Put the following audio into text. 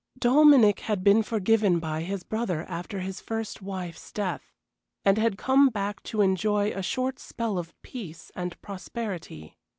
Dominic had been forgiven by his brother after his first wife's death, and had come back to enjoy a short spell of peace and prosperity.